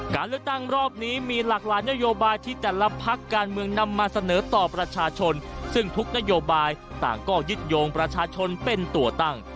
การเลือกตั้งรอบนี้มีหลากหลายนโยบายที่แต่ละพักการเมืองนำมาเสนอต่อประชาชนซึ่งทุกนโยบายต่างก็ยึดโยงประชาชนเป็นตัวตั้ง